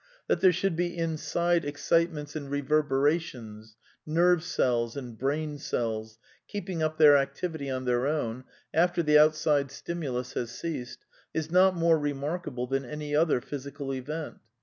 That there should be inside excitements and reverberations, nerve cells and brain cells keeping up their activity on their own, after the outside stimulus has ceased, is not more remarkable than any other physical event.